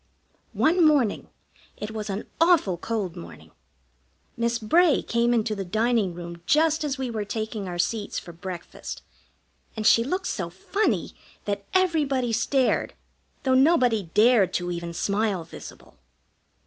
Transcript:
One morning, it was an awful cold morning, Miss Bray came into the dining room just as we were taking our seats for breakfast, and she looked so funny that everybody stared, though nobody dared to even smile visible.